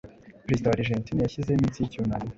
Perezida wa Argentina yashyizeho iminsi y’icyunamo